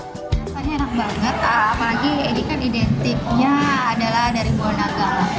rasanya enak banget apalagi ini kan identiknya adalah dari buah naga